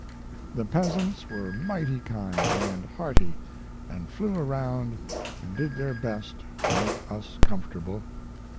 The peasants were mighty kind and hearty & flew around & did their best to make us comfortable.